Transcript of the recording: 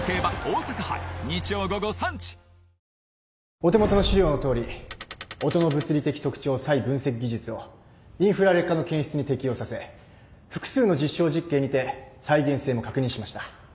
お手元の資料のとおり音の物理的特徴差異分析技術をインフラ劣化の検出に適用させ複数の実証実験にて再現性も確認しました。